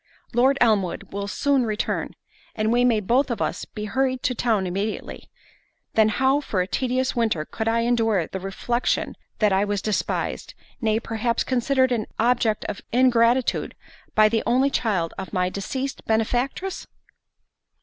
Lord Elmwood will soon return, and we may both of us be hurried to town immediately—then how for a tedious winter could I endure the reflexion that I was despised, nay, perhaps considered as an object of ingratitude, by the only child of my deceased benefactress?"